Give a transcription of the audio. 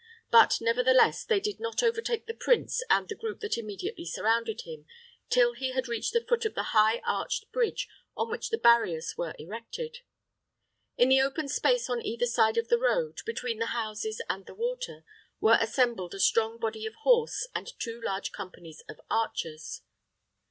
But, nevertheless, they did not overtake the prince and the group that immediately surrounded him, till he had reached the foot of the high arched bridge on which the barriers were erected. In the open space on either side of the road, between the houses and the water, were assembled a strong body of horse and two large companies of archers.